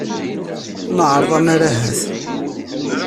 Nettɛaraḍ ammar ahat.